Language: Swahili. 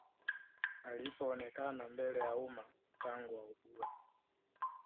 Alipoonekana mbele ya umma tangu augue